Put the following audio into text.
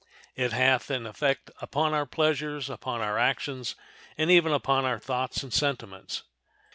It hath an effect upon our pleasures, upon our actions, and even upon our thoughts and sentiments."